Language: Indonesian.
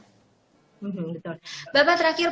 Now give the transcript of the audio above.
betul bapak terakhir